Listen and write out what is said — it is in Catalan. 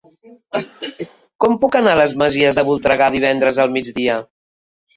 Com puc anar a les Masies de Voltregà divendres al migdia?